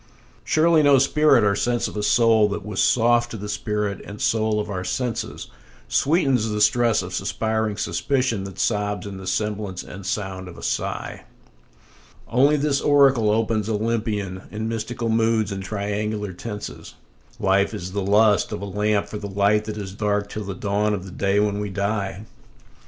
Surely no spirit or sense of a soul that was soft to the spirit and soul of our senses Sweetens the stress of suspiring suspicion that sobs in the semblance and sound of a sigh; Only this oracle opens Olympian, in mystical moods and triangular tenses "Life is the lust of a lamp for the light that is dark till the dawn of the day when we die."